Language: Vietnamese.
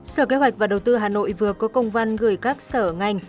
sở kế hoạch và đầu tư hà nội vừa có công văn gửi các sở ngành